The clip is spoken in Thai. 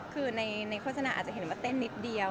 คือในโฆษณาอาจจะเห็นว่าเต้นนิดเดียว